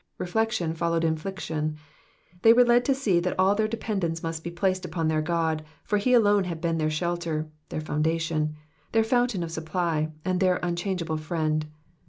Reflection followed infliction. They were led to sec that all their dependence must be placed upon their God ; for he alone had been their shelter, their foundation, their fountain of supply, and their unchangeable friend.